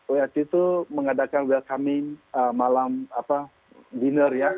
wrc itu mengadakan welcoming malam dinner ya